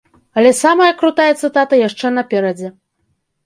Але самая крутая цытата яшчэ наперадзе.